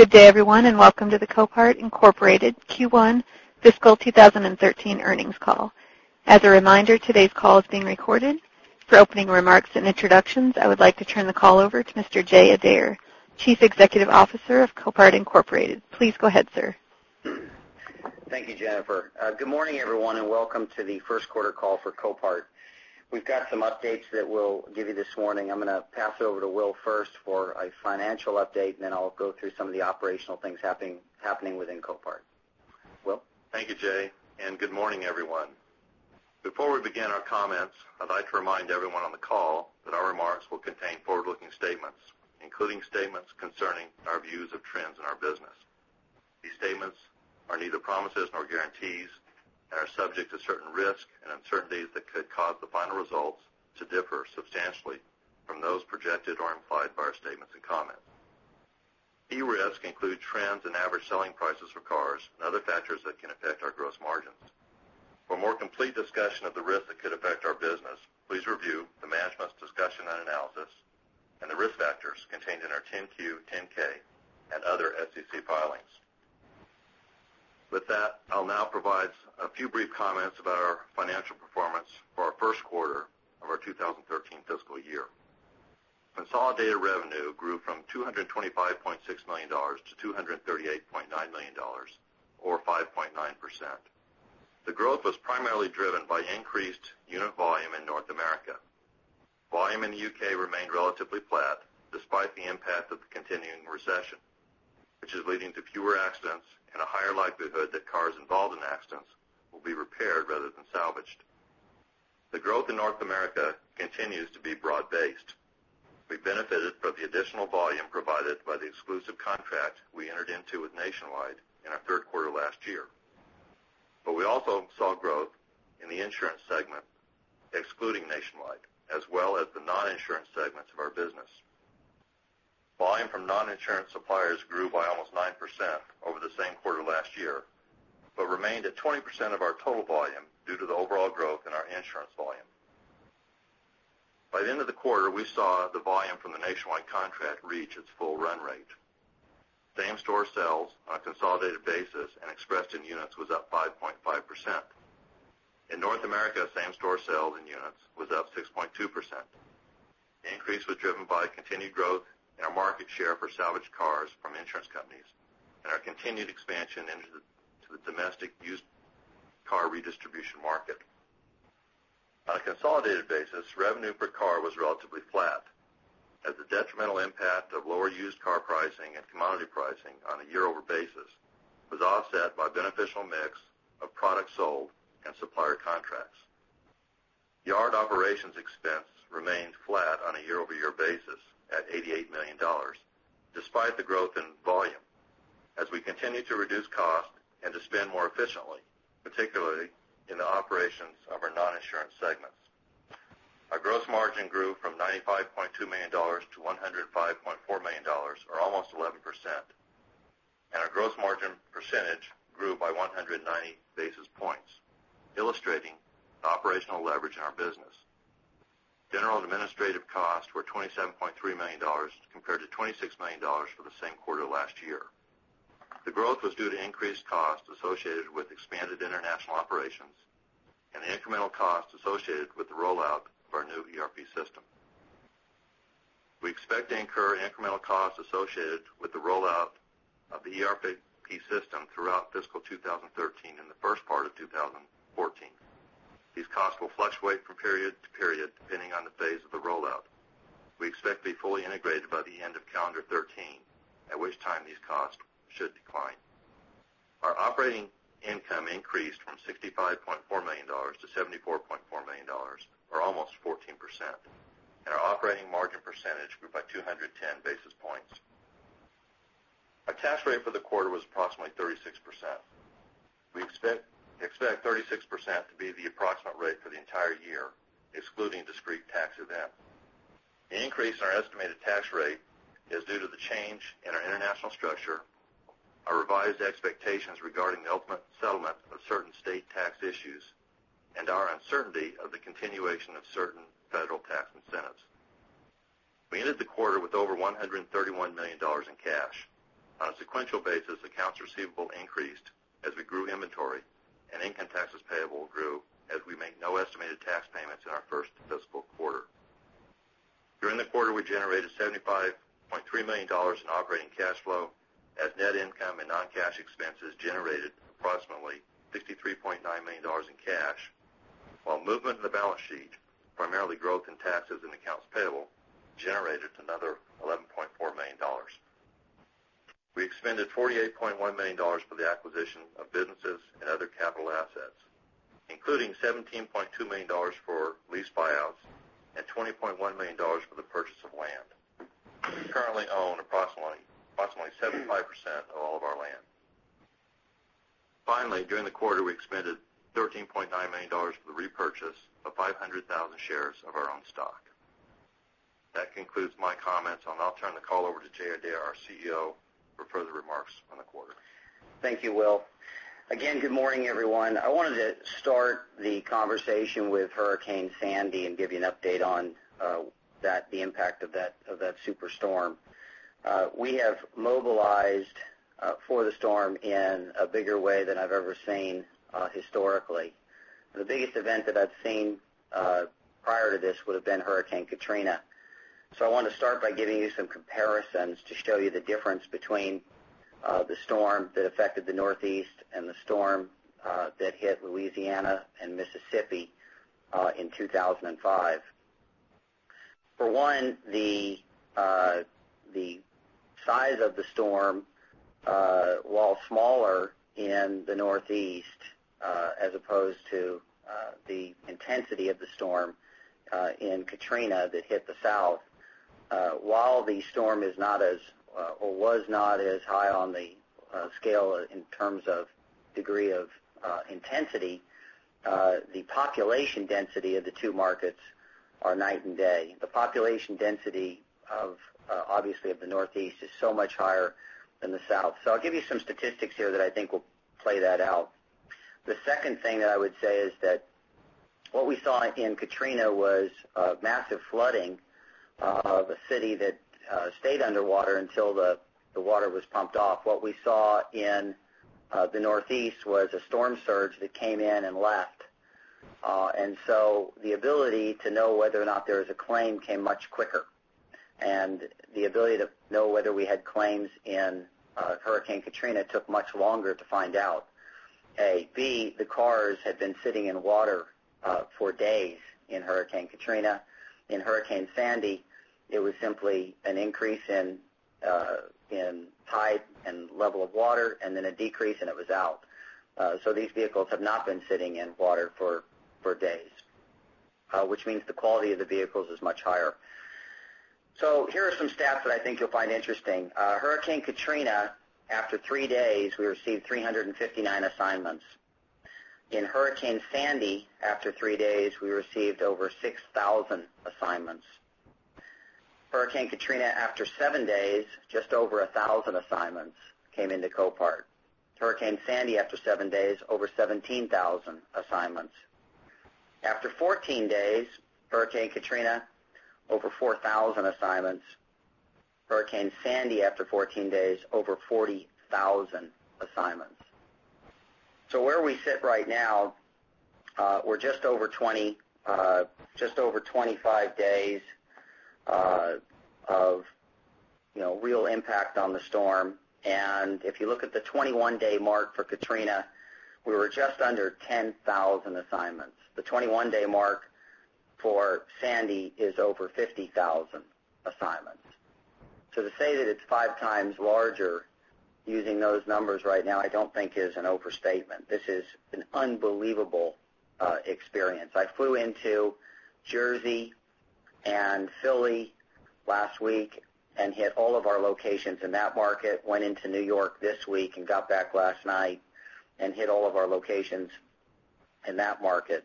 Good day everyone, welcome to the Copart, Inc. Q1 Fiscal 2013 earnings call. As a reminder, today's call is being recorded. For opening remarks and introductions, I would like to turn the call over to Mr. Jay Adair, Chief Executive Officer of Copart, Inc. Please go ahead, sir. Thank you, Jennifer. Good morning, everyone, welcome to the first quarter call for Copart. We've got some updates that we'll give you this morning. I'm going to pass it over to Will first for a financial update, then I'll go through some of the operational things happening within Copart. Will? Thank you, Jay, good morning, everyone. Before we begin our comments, I'd like to remind everyone on the call that our remarks will contain forward-looking statements, including statements concerning our views of trends in our business. These statements are neither promises nor guarantees and are subject to certain risks and uncertainties that could cause the final results to differ substantially from those projected or implied by our statements and comments. These risks include trends in average selling prices for cars and other factors that can affect our gross margins. For a more complete discussion of the risks that could affect our business, please review the management's discussion and analysis the risk factors contained in our 10-Q, 10-K, other SEC filings. With that, I'll now provide a few brief comments about our financial performance for our first quarter of our 2013 fiscal year. Consolidated revenue grew from $225.6 million to $238.9 million, or 5.9%. The growth was primarily driven by increased unit volume in North America. Volume in the U.K. remained relatively flat despite the impact of the continuing recession, which is leading to fewer accidents and a higher likelihood that cars involved in accidents will be repaired rather than salvaged. The growth in North America continues to be broad-based. We benefited from the additional volume provided by the exclusive contract we entered into with Nationwide in our third quarter last year. We also saw growth in the insurance segment, excluding Nationwide, as well as the non-insurance segments of our business. Volume from non-insurance suppliers grew by almost 9% over the same quarter last year, remained at 20% of our total volume due to the overall growth in our insurance volume. By the end of the quarter, we saw the volume from the Nationwide contract reach its full run rate. Same-store sales on a consolidated basis and expressed in units was up 5.5%. In North America, same-store sales in units was up 6.2%. The increase was driven by continued growth in our market share for salvaged cars from insurance companies and our continued expansion into the domestic used car redistribution market. On a consolidated basis, revenue per car was relatively flat as the detrimental impact of lower used car pricing and commodity pricing on a year-over basis was offset by beneficial mix of products sold and supplier contracts. Yard operations expense remained flat on a year-over-year basis at $88 million, despite the growth in volume. As we continue to reduce cost and to spend more efficiently, particularly in the operations of our non-insurance segments. Our gross margin grew from $95.2 million to $105.4 million, or almost 11%. Our gross margin percentage grew by 190 basis points, illustrating the operational leverage in our business. General administrative costs were $27.3 million compared to $26 million for the same quarter last year. The growth was due to increased costs associated with expanded international operations and the incremental costs associated with the rollout of our new ERP system. We expect to incur incremental costs associated with the rollout of the ERP system throughout fiscal 2013 and the first part of 2014. These costs will fluctuate from period to period, depending on the phase of the rollout. We expect to be fully integrated by the end of calendar 2013, at which time these costs should decline. Our operating income increased from $65.4 million to $74.4 million, or almost 14%, and our operating margin percentage grew by 210 basis points. Our tax rate for the quarter was approximately 36%. We expect 36% to be the approximate rate for the entire year, excluding discrete tax events. The increase in our estimated tax rate is due to the change in our international structure, our revised expectations regarding the ultimate settlement of certain state tax issues, and our uncertainty of the continuation of certain federal tax incentives. We ended the quarter with over $131 million in cash. On a sequential basis, accounts receivable increased as we grew inventory, and income taxes payable grew as we made no estimated tax payments in our first fiscal quarter. During the quarter, we generated $75.3 million in operating cash flow as net income and non-cash expenses generated approximately $63.9 million in cash, while movement in the balance sheet, primarily growth in taxes and accounts payable, generated another $11.4 million. We expended $48.1 million for the acquisition of businesses and other capital assets, including $17.2 million for lease buyouts and $20.1 million for the purchase of land. We currently own approximately 75% of all of our land. Finally, during the quarter, we expended $13.9 million for the repurchase of 500,000 shares of our own stock. That concludes my comments, and I'll now turn the call over to Jay Adair, our CEO, for further remarks on the quarter. Thank you, Will. Again, good morning, everyone. I wanted to start the conversation with Hurricane Sandy and give you an update on the impact of that super storm. We have mobilized for the storm in a bigger way than I've ever seen historically. The biggest event that I've seen prior to this would have been Hurricane Katrina. I want to start by giving you some comparisons to show you the difference between the storm that affected the Northeast and the storm that hit Louisiana and Mississippi in 2005. For one, the size of the storm, while smaller in the Northeast, as opposed to the intensity of the storm in Hurricane Katrina that hit the South. While the storm was not as high on the scale in terms of degree of intensity, the population density of the two markets are night and day. The population density, obviously of the Northeast is so much higher than the South. I'll give you some statistics here that I think will play that out. The second thing that I would say is that what we saw in Hurricane Katrina was massive flooding of a city that stayed underwater until the water was pumped off. What we saw in the Northeast was a storm surge that came in and left. The ability to know whether or not there was a claim came much quicker. The ability to know whether we had claims in Hurricane Katrina took much longer to find out, A. B, the cars had been sitting in water for days in Hurricane Katrina. In Hurricane Sandy, it was simply an increase in tide and level of water, and then a decrease, and it was out. These vehicles have not been sitting in water for days, which means the quality of the vehicles is much higher. Here are some stats that I think you'll find interesting. Hurricane Katrina, after 3 days, we received 359 assignments. In Hurricane Sandy, after 3 days, we received over 6,000 assignments. Hurricane Katrina, after 7 days, just over 1,000 assignments came into Copart. Hurricane Sandy, after 7 days, over 17,000 assignments. After 14 days, Hurricane Katrina, over 4,000 assignments. Hurricane Sandy, after 14 days, over 40,000 assignments. Where we sit right now, we're just over 25 days of real impact on the storm, and if you look at the 21-day mark for Hurricane Katrina, we were just under 10,000 assignments. The 21-day mark for Hurricane Sandy is over 50,000 assignments. To say that it's five times larger using those numbers right now, I don't think is an overstatement. This is an unbelievable experience. I flew into Jersey and Philly last week and hit all of our locations in that market. Went into New York this week and got back last night and hit all of our locations in that market.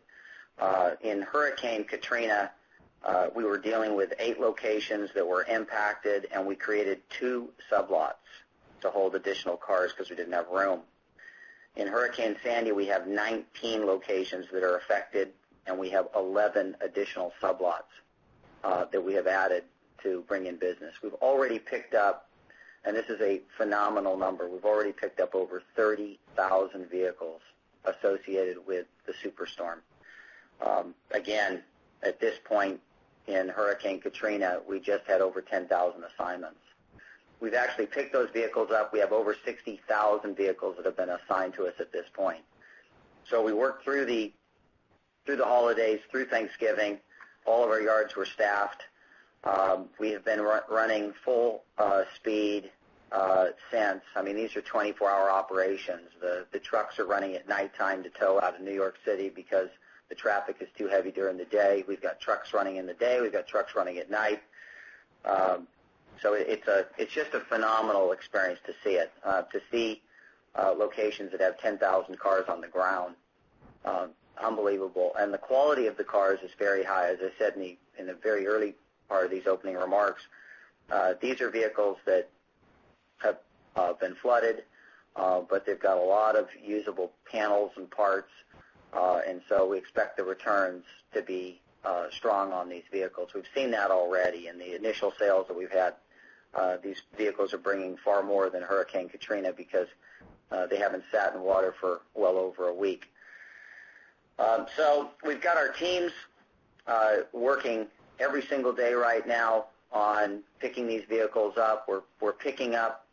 In Hurricane Katrina, we were dealing with eight locations that were impacted, and we created two sublots to hold additional cars because we didn't have room. In Hurricane Sandy, we have 19 locations that are affected, and we have 11 additional sublots that we have added to bring in business. We've already picked up, and this is a phenomenal number, we've already picked up over 30,000 vehicles associated with the super storm. Again, at this point in Hurricane Katrina, we just had over 10,000 assignments. We've actually picked those vehicles up. We have over 60,000 vehicles that have been assigned to us at this point. We worked through the holidays, through Thanksgiving. All of our yards were staffed. We have been running full speed since. These are 24-hour operations. The trucks are running at nighttime to tow out of New York City because the traffic is too heavy during the day. We've got trucks running in the day. We've got trucks running at night. It's just a phenomenal experience to see it. To see locations that have 10,000 cars on the ground, unbelievable. The quality of the cars is very high. As I said in the very early part of these opening remarks, these are vehicles that have been flooded, but they've got a lot of usable panels and parts, we expect the returns to be strong on these vehicles. We've seen that already in the initial sales that we've had. These vehicles are bringing far more than Hurricane Katrina because they haven't sat in water for well over a week. We've got our teams working every single day right now on picking these vehicles up. We're picking up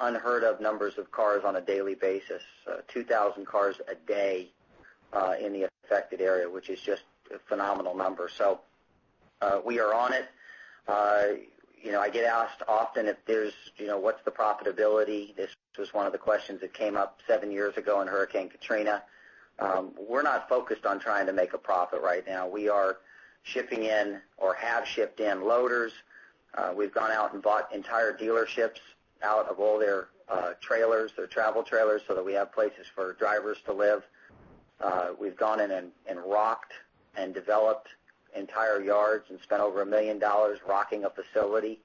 unheard of numbers of cars on a daily basis, 2,000 cars a day in the affected area, which is just a phenomenal number. We are on it. I get asked often what's the profitability. This was one of the questions that came up seven years ago in Hurricane Katrina. We're not focused on trying to make a profit right now. We are shipping in or have shipped in loaders. We've gone out and bought entire dealerships out of all their trailers, their travel trailers, that we have places for drivers to live. We've gone in and rocked and developed entire yards and spent over $1 million rocking a facility.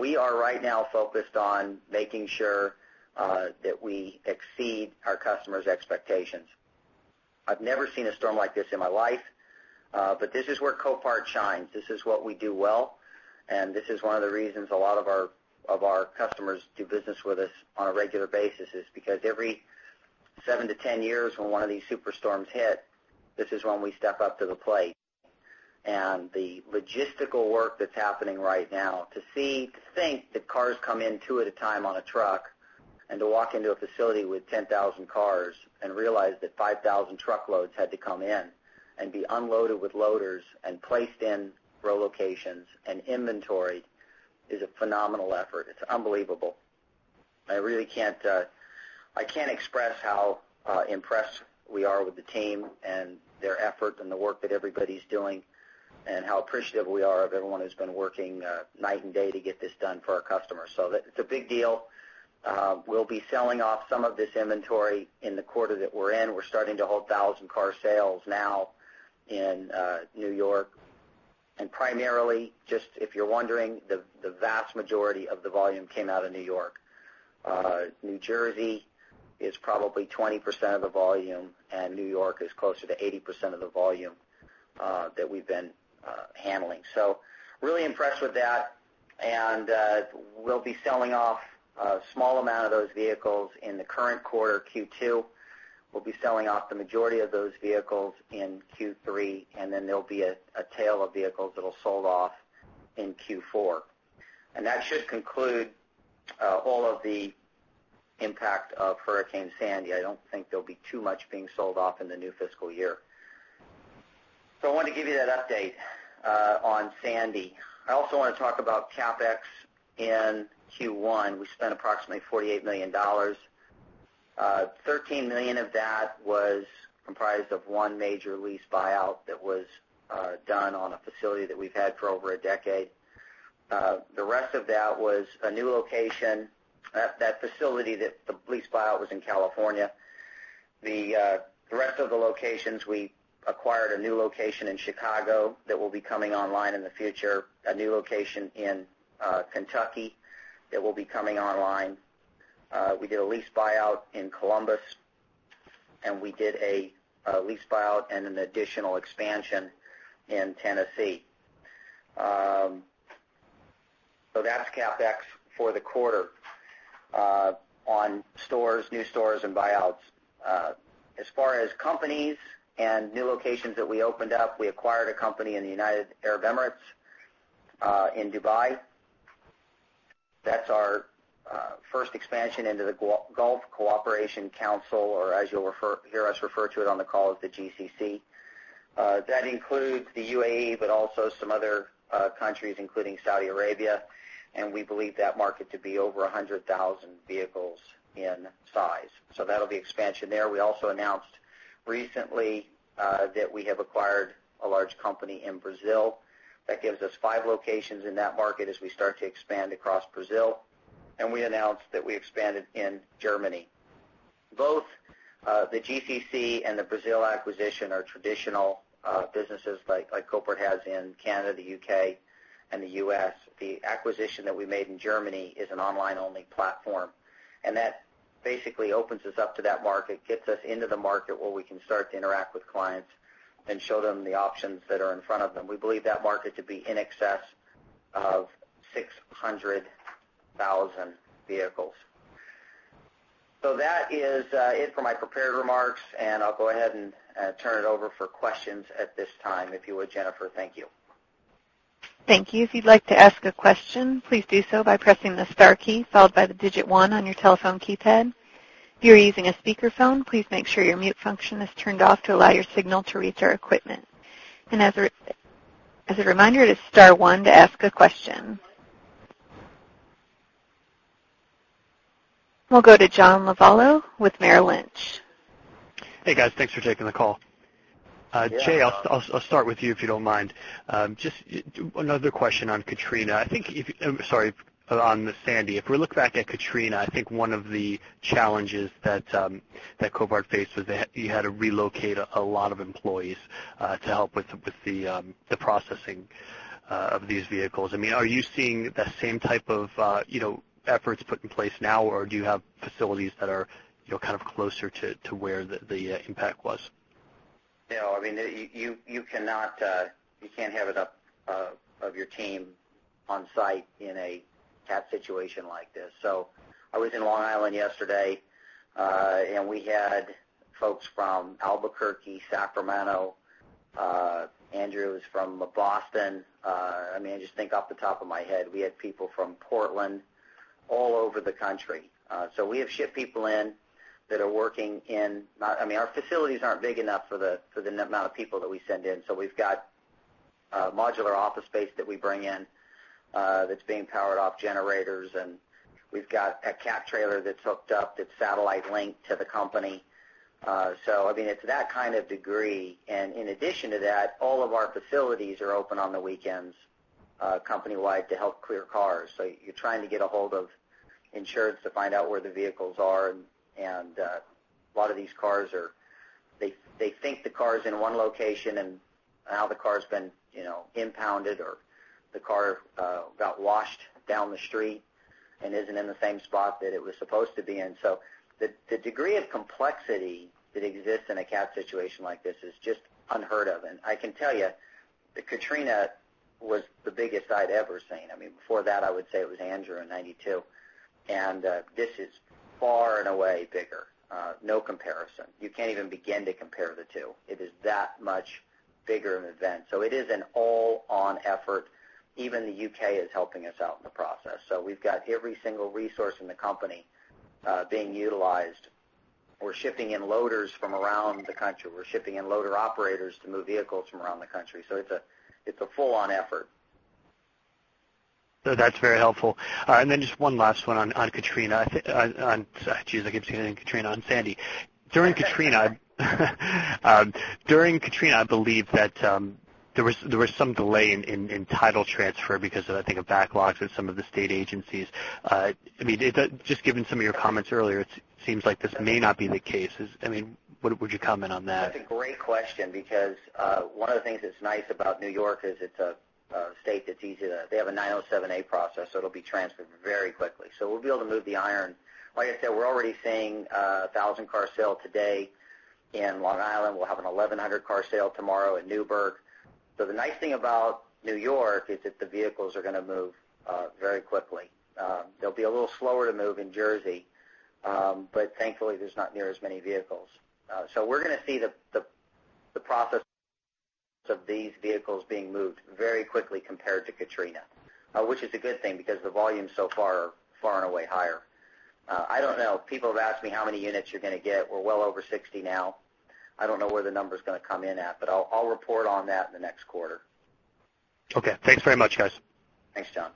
We are right now focused on making sure that we exceed our customers' expectations. I've never seen a storm like this in my life, this is where Copart shines. This is what we do well, this is one of the reasons a lot of our customers do business with us on a regular basis, is because every 7-10 years when one of these super storms hit, this is when we step up to the plate. The logistical work that's happening right now, to think that cars come in two at a time on a truck, to walk into a facility with 10,000 cars and realize that 5,000 truckloads had to come in and be unloaded with loaders and placed in row locations and inventoried, is a phenomenal effort. It's unbelievable. I can't express how impressed we are with the team and their effort and the work that everybody's doing, how appreciative we are of everyone who's been working night and day to get this done for our customers. It's a big deal. We'll be selling off some of this inventory in the quarter that we're in. We're starting to hold 1,000 car sales now in New York, primarily, just if you're wondering, the vast majority of the volume came out of New York. New Jersey is probably 20% of the volume, New York is closer to 80% of the volume that we've been handling. Really impressed with that, and we'll be selling off a small amount of those vehicles in the current quarter, Q2. We'll be selling off the majority of those vehicles in Q3, and there'll be a tail of vehicles that'll sold off in Q4. That should conclude all of the impact of Hurricane Sandy. I don't think there'll be too much being sold off in the new fiscal year. I wanted to give you that update on Sandy. I also want to talk about CapEx in Q1. We spent approximately $48 million. 13 million of that was comprised of one major lease buyout that was done on a facility that we've had for over a decade. The rest of that was a new location. That facility, the lease buyout, was in California. The rest of the locations, we acquired a new location in Chicago that will be coming online in the future, a new location in Kentucky that will be coming online. We did a lease buyout in Columbus, and we did a lease buyout and an additional expansion in Tennessee. That's CapEx for the quarter on stores, new stores, and buyouts. As far as companies and new locations that we opened up, we acquired a company in the United Arab Emirates, in Dubai. That's our first expansion into the Gulf Cooperation Council, or as you'll hear us refer to it on the call as the GCC. That includes the UAE, but also some other countries, including Saudi Arabia, and we believe that market to be over 100,000 vehicles in size. That'll be expansion there. We also announced recently that we have acquired a large company in Brazil. That gives us five locations in that market as we start to expand across Brazil. We announced that we expanded in Germany. Both the GCC and the Brazil acquisition are traditional businesses like Copart has in Canada, the U.K., and the U.S. The acquisition that we made in Germany is an online-only platform, and that basically opens us up to that market, gets us into the market where we can start to interact with clients and show them the options that are in front of them. We believe that market to be in excess of 600,000 vehicles. That is it for my prepared remarks, and I'll go ahead and turn it over for questions at this time, if you would, Jennifer. Thank you. Thank you. If you'd like to ask a question, please do so by pressing the star key followed by the digit 1 on your telephone keypad. If you are using a speakerphone, please make sure your mute function is turned off to allow your signal to reach our equipment. As a reminder, it is star 1 to ask a question. We'll go to John Lovallo with Merrill Lynch. Hey, guys. Thanks for taking the call. Yeah. Jay, I'll start with you, if you don't mind. Just another question on Katrina. I'm sorry, on Sandy. If we look back at Katrina, I think one of the challenges that Copart faced was that you had to relocate a lot of employees to help with the processing of these vehicles. Are you seeing the same type of efforts put in place now, or do you have facilities that are kind of closer to where the impact was? You can't have enough of your team on site in a catastrophe situation like this. I was in Long Island yesterday, and we had folks from Albuquerque, Sacramento. Andrew's from Boston. I just think off the top of my head, we had people from Portland, all over the country. We have shipped people in that are working. Our facilities aren't big enough for the net amount of people that we send in. We've got modular office space that we bring in that's being powered off generators, and we've got a catastrophe trailer that's hooked up that's satellite linked to the company. It's that kind of degree. In addition to that, all of our facilities are open on the weekends company-wide to help clear cars. You're trying to get a hold of insurance to find out where the vehicles are, and a lot of these cars they think the car's in one location, and now the car's been impounded, or the car got washed down the street and isn't in the same spot that it was supposed to be in. The degree of complexity that exists in a catastrophe situation like this is just unheard of. I can tell you that Katrina was the biggest I'd ever seen. Before that, I would say it was Andrew in 1992. This is far and away bigger. No comparison. You can't even begin to compare the two. It is that much bigger an event. It is an all-on effort. Even the U.K. is helping us out in the process. We've got every single resource in the company being utilized. We're shipping in loaders from around the country. We're shipping in loader operators to move vehicles from around the country. It's a full-on effort. That's very helpful. Just one last one on Sandy. During Katrina, I believe that there was some delay in title transfer because of, I think, a backlog with some of the state agencies. Given some of your comments earlier, it seems like this may not be the case. Would you comment on that? That's a great question because one of the things that's nice about New York is it's a state. They have a MV-907A process. It'll be transferred very quickly. We'll be able to move the iron. Like I said, we're already seeing 1,000 car sale today in Long Island. We'll have an 1,100 car sale tomorrow in Newburgh. The nice thing about New York is that the vehicles are going to move very quickly. They'll be a little slower to move in Jersey. Thankfully, there's not near as many vehicles. We're going to see the process of these vehicles being moved very quickly compared to Katrina, which is a good thing because the volume so far are far and away higher. I don't know. People have asked me how many units you're going to get. We're well over 60 now. I don't know where the number's going to come in at. I'll report on that in the next quarter. Okay. Thanks very much, guys. Thanks, John.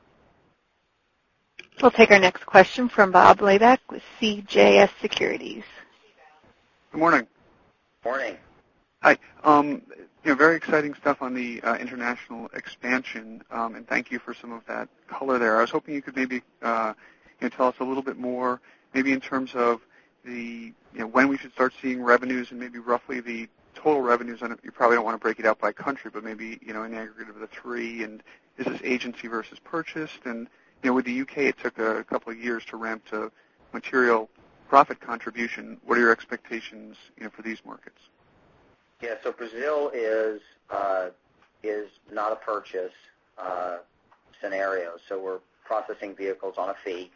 We'll take our next question from Robert Labick with CJS Securities. Good morning. Morning. Hi. Very exciting stuff on the international expansion. Thank you for some of that color there. I was hoping you could maybe tell us a little bit more, maybe in terms of when we should start seeing revenues and maybe roughly the total revenues. I know you probably don't want to break it out by country, but maybe in aggregate of the three. Is this agency versus purchased? With the U.K., it took a couple of years to ramp to material profit contribution. What are your expectations for these markets? Yeah. Brazil is not a purchase scenario. We're processing vehicles on a fee.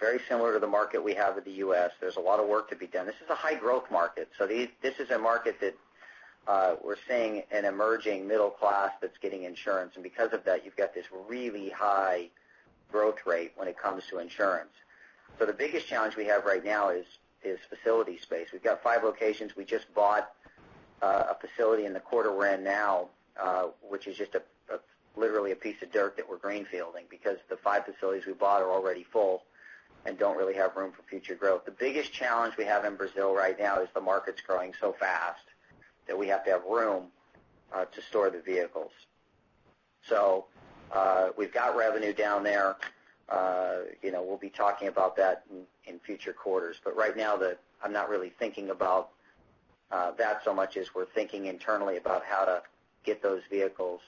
Very similar to the market we have with the U.S. There's a lot of work to be done. This is a high growth market. This is a market that we're seeing an emerging middle class that's getting insurance. Because of that, you've got this really high growth rate when it comes to insurance. The biggest challenge we have right now is facility space. We've got 5 locations. We just bought a facility in the quarter we're in now, which is just literally a piece of dirt that we're greenfielding because the 5 facilities we bought are already full and don't really have room for future growth. The biggest challenge we have in Brazil right now is the market's growing so fast that we have to have room to store the vehicles. We've got revenue down there. We'll be talking about that in future quarters. Right now, I'm not really thinking about that so much as we're thinking internally about how to get those vehicles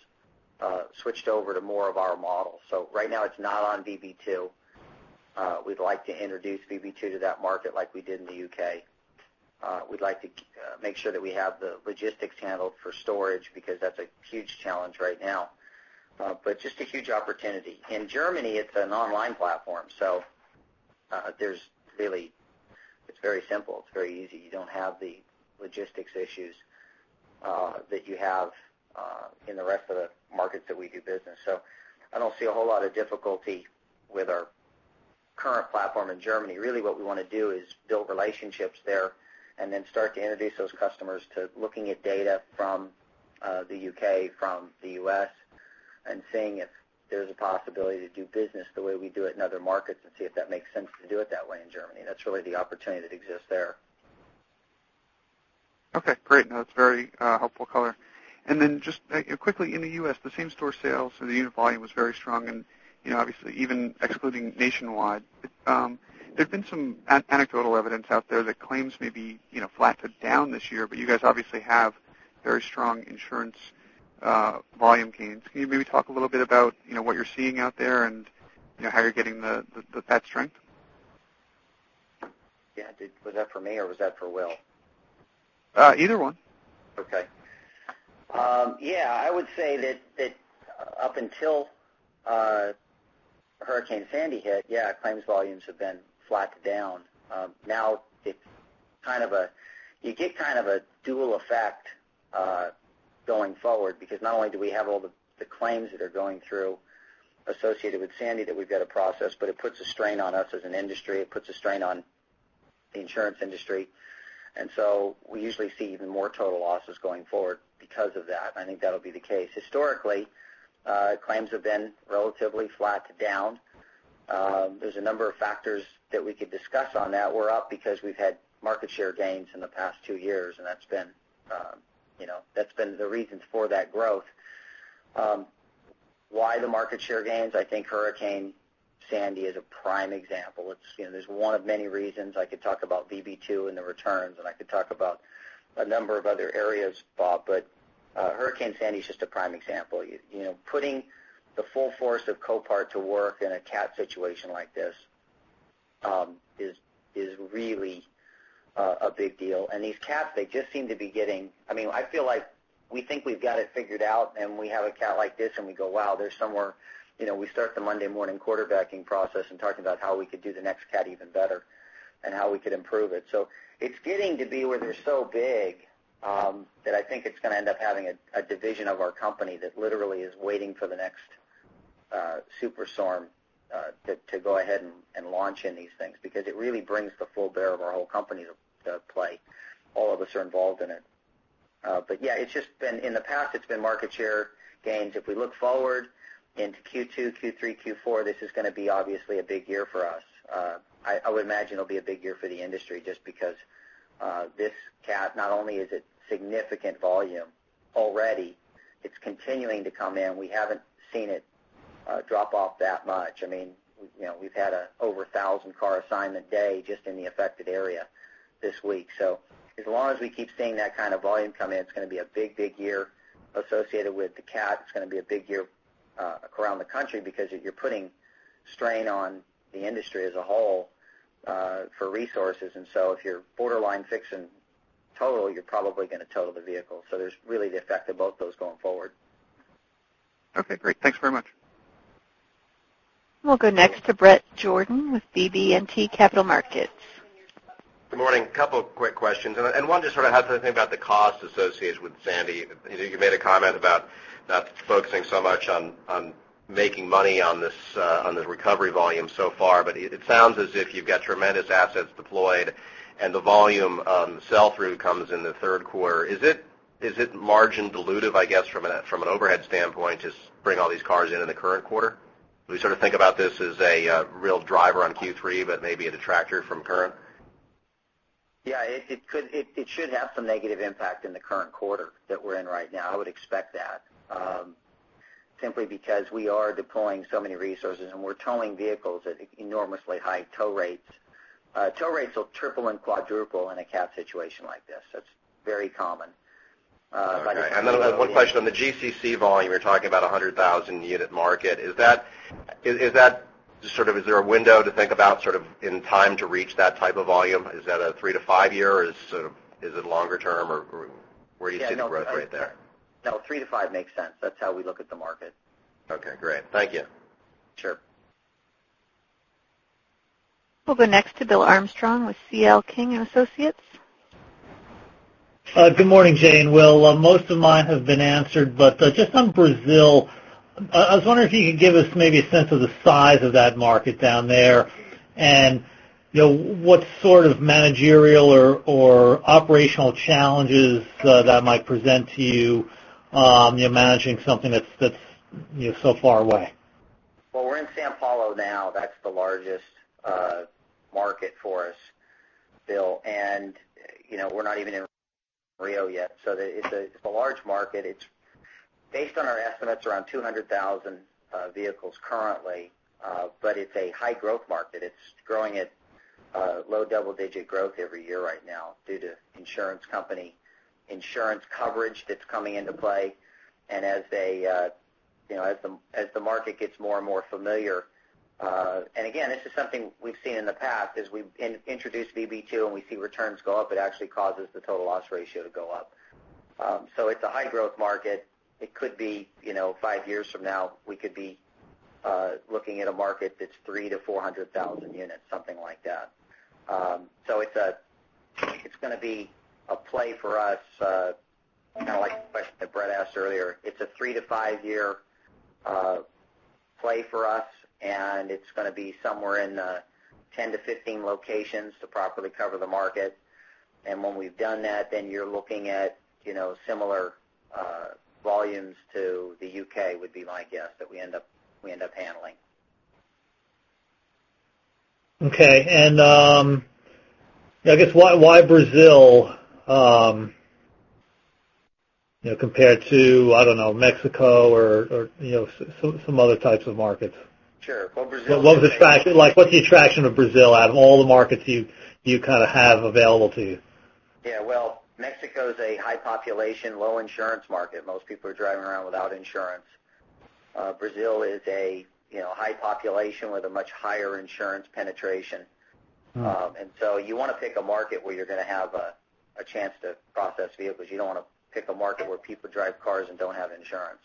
switched over to more of our model. Right now it's not on VB2. We'd like to introduce VB2 to that market like we did in the U.K. We'd like to make sure that we have the logistics handled for storage because that's a huge challenge right now. Just a huge opportunity. In Germany, it's an online platform, it's very simple. It's very easy. You don't have the logistics issues that you have in the rest of the markets that we do business. I don't see a whole lot of difficulty with our current platform in Germany. Really what we want to do is build relationships there then start to introduce those customers to looking at data from the U.K., from the U.S., seeing if there's a possibility to do business the way we do it in other markets see if that makes sense to do it that way in Germany. That's really the opportunity that exists there. Okay, great. No, that's very helpful color. Just quickly, in the U.S., the same-store sales for the unit volume was very strong and obviously even excluding Nationwide. There's been some anecdotal evidence out there that claims may be flat to down this year, you guys obviously have very strong insurance volume gains. Can you maybe talk a little bit about what you're seeing out there and how you're getting that strength? Yeah. Was that for me or was that for Will? Either one. Okay. Yeah, I would say that up until Hurricane Sandy hit, yeah, claims volumes have been flat to down. You get kind of a dual effect going forward because not only do we have all the claims that are going through associated with Sandy that we've got to process, it puts a strain on us as an industry. It puts a strain on the insurance industry. We usually see even more total losses going forward because of that. I think that'll be the case. Historically, claims have been relatively flat to down. There's a number of factors that we could discuss on that. We're up because we've had market share gains in the past two years, that's been the reasons for that growth. Why the market share gains? I think Hurricane Sandy is a prime example. There's one of many reasons I could talk about VB2 and the returns, I could talk about a number of other areas, Bob, but Hurricane Sandy is just a prime example. Putting the full force of Copart to work in a catastrophe situation like this is really a big deal. These cats, they just seem to be. I feel like we think we've got it figured out, and we have a catastrophe like this, and we go, "Wow, there's somewhere." We start the Monday morning quarterbacking process and talking about how we could do the next catastrophe even better and how we could improve it. It's getting to be where they're so big that I think it's going to end up having a division of our company that literally is waiting for the next super storm to go ahead and launch in these things, because it really brings the full bear of our whole company to play. All of us are involved in it. Yeah, in the past, it's been market share gains. If we look forward into Q2, Q3, Q4, this is going to be obviously a big year for us. I would imagine it'll be a big year for the industry just because this catastrophe, not only is it significant volume already, it's continuing to come in. We haven't seen it drop off that much. We've had a over 1,000 car assignment day just in the affected area this week. As long as we keep seeing that kind of volume come in, it's going to be a big year associated with the catastrophe. It's going to be a big year around the country because you're putting strain on the industry as a whole for resources. If you're borderline fixing total, you're probably going to total the vehicle. There's really the effect of both those going forward. Okay, great. Thanks very much. We'll go next to Bret Jordan with BB&T Capital Markets. Good morning. A couple of quick questions. One just sort of how to think about the cost associated with Sandy. You made a comment about not focusing so much on making money on this recovery volume so far, but it sounds as if you've got tremendous assets deployed and the volume on the sell-through comes in the third quarter. Is it margin dilutive, I guess, from an overhead standpoint, just bring all these cars in in the current quarter? Do we sort of think about this as a real driver on Q3, but maybe a detractor from current? Yeah, it should have some negative impact in the current quarter that we're in right now. I would expect that. Simply because we are deploying so many resources, and we're towing vehicles at enormously high tow rates. Tow rates will triple and quadruple in a catastrophe situation like this. That's very common. Okay. One question on the GCC volume. You're talking about 100,000 unit market. Is there a window to think about sort of in time to reach that type of volume? Is that a three to five year? Is it longer term? Or where do you see the growth right there? No, three to five makes sense. That's how we look at the market. Okay, great. Thank you. Sure. We'll go next to Bill Armstrong with C.L. King & Associates. Good morning, Jay and Will. Most of mine have been answered. Just on Brazil, I was wondering if you could give us maybe a sense of the size of that market down there and what sort of managerial or operational challenges that might present to you, managing something that's so far away. Well, we're in São Paulo now. That's the largest market for us, Bill. We're not even in Rio yet. It's a large market. It's based on our estimates, around 200,000 vehicles currently. It's a high growth market. It's growing at low double-digit growth every year right now due to insurance company, insurance coverage that's coming into play. As the market gets more and more familiar, and again, this is something we've seen in the past, as we introduce VB2 and we see returns go up, it actually causes the total loss ratio to go up. It's a high growth market. It could be five years from now, we could be looking at a market that's 300,000 to 400,000 units, something like that. It's going to be a play for us, kind of like the question that Bret asked earlier. It's a three to five year play for us, and it's going to be somewhere in the 10 to 15 locations to properly cover the market. When we've done that, then you're looking at similar volumes to the U.K., would be my guess, that we end up handling. Okay. I guess why Brazil compared to, I don't know, Mexico or some other types of markets? Sure. Well, Brazil- What was the attraction? What's the attraction of Brazil out of all the markets you kind of have available to you? Yeah. Well, Mexico is a high population, low insurance market. Most people are driving around without insurance. Brazil is a high population with a much higher insurance penetration. You want to pick a market where you're going to have a chance to process vehicles. You don't want to pick a market where people drive cars and don't have insurance.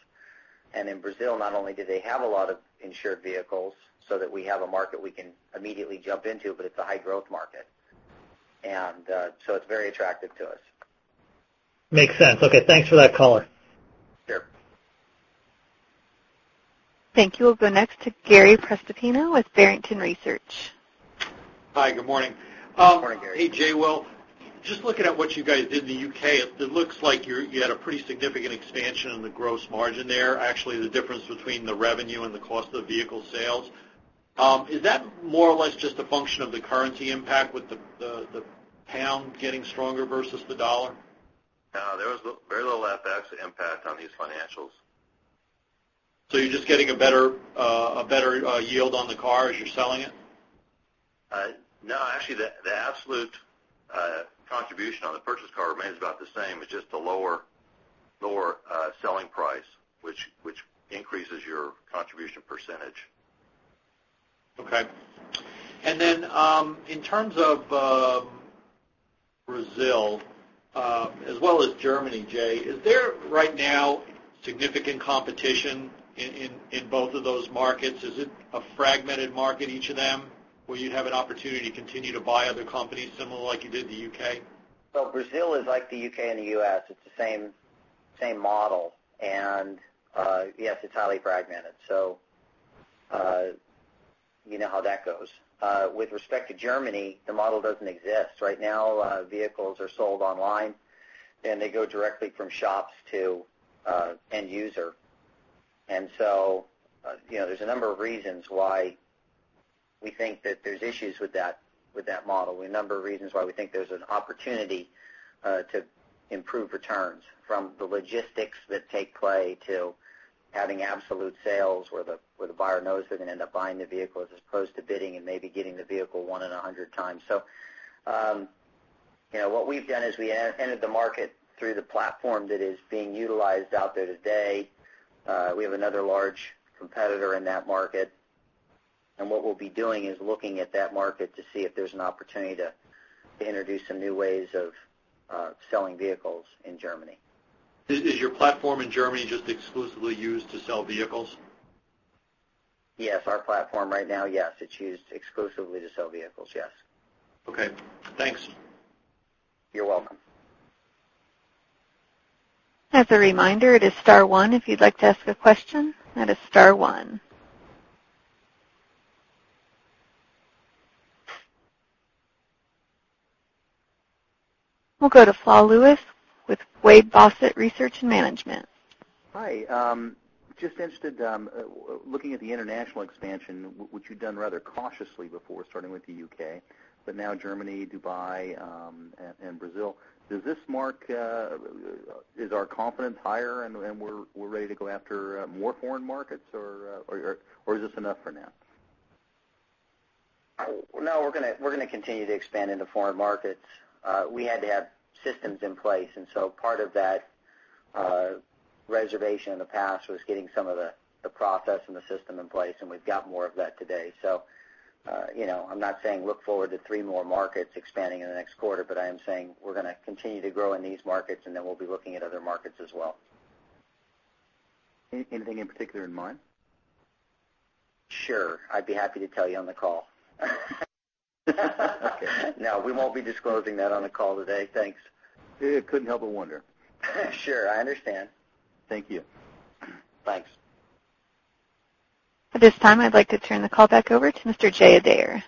In Brazil, not only do they have a lot of insured vehicles, so that we have a market we can immediately jump into, but it's a high growth market. It's very attractive to us. Makes sense. Okay, thanks for that color. Sure. Thank you. We'll go next to Gary Prestopino with Barrington Research. Hi, good morning. Good morning, Gary. Hey, Jay. Well, just looking at what you guys did in the U.K., it looks like you had a pretty significant expansion on the gross margin there. Actually, the difference between the revenue and the cost of vehicle sales, is that more or less just a function of the currency impact with the pound getting stronger versus the dollar? No, there was very little FX impact on these financials. You're just getting a better yield on the car as you're selling it? No, actually, the absolute contribution on the purchase car remains about the same. It's just the lower selling price, which increases your contribution%. Okay. In terms of Brazil, as well as Germany, Jay, is there right now significant competition in both of those markets? Is it a fragmented market, each of them, where you'd have an opportunity to continue to buy other companies similar like you did in the U.K.? Well, Brazil is like the U.K. and the U.S. It's the same model. Yes, it's highly fragmented. You know how that goes. With respect to Germany, the model doesn't exist. Right now, vehicles are sold online, and they go directly from shops to end user. There's a number of reasons why we think that there's issues with that model, we have a number of reasons why we think there's an opportunity to improve returns from the logistics that take play to having absolute sales where the buyer knows they're going to end up buying the vehicle as opposed to bidding and maybe getting the vehicle one in 100 times. What we've done is we entered the market through the platform that is being utilized out there today. We have another large competitor in that market, what we'll be doing is looking at that market to see if there's an opportunity to introduce some new ways of selling vehicles in Germany. Is your platform in Germany just exclusively used to sell vehicles? Yes. Our platform right now, yes, it's used exclusively to sell vehicles. Yes. Okay. Thanks. You're welcome. As a reminder, it is star one if you'd like to ask a question. That is star one. We'll go to Flah Lewis with Robert W. Baird & Co.. Hi. Just interested, looking at the international expansion, which you've done rather cautiously before, starting with the U.K., but now Germany, Dubai, and Brazil. Is our confidence higher and we're ready to go after more foreign markets, or is this enough for now? We're going to continue to expand into foreign markets. We had to have systems in place, part of that reservation in the past was getting some of the process and the system in place, and we've got more of that today. I'm not saying look forward to three more markets expanding in the next quarter, but I am saying we're going to continue to grow in these markets, and then we'll be looking at other markets as well. Anything in particular in mind? Sure. I'd be happy to tell you on the call. Okay. We won't be disclosing that on the call today. Thanks. Couldn't help but wonder. Sure. I understand. Thank you. Thanks. At this time, I'd like to turn the call back over to Mr. Jay Adair.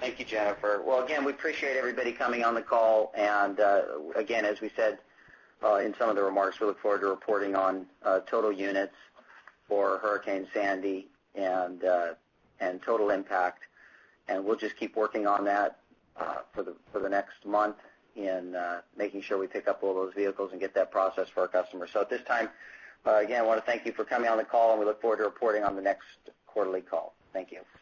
Thank you, Jennifer. Well, again, we appreciate everybody coming on the call, and again, as we said in some of the remarks, we look forward to reporting on total units for Hurricane Sandy and total impact. We'll just keep working on that for the next month in making sure we pick up all those vehicles and get that processed for our customers. At this time, again, I want to thank you for coming on the call, and we look forward to reporting on the next quarterly call. Thank you.